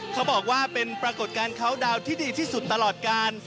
เขาบอกว่าเป็นปรากฏการณ์เขาดาวน์ที่ดีที่สุดตลอดการ